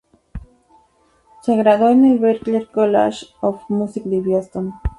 Se graduó en el Berklee College of Music de Boston.